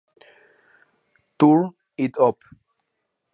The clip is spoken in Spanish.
Turn it Up!